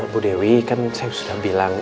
bu dewi kan saya sudah bilang